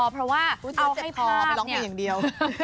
เพราะว่าเอาให้ภาพเนี่ย